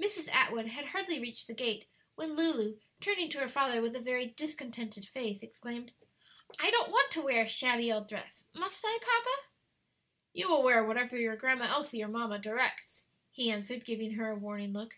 Mrs. Atwood had hardly reached the gate when Lulu, turning to her father with a very discontented face, exclaimed, "I don't want to wear a shabby old dress! Must I, papa?" "You will wear whatever your Grandma Elsie or mamma directs," he answered, giving her a warning look.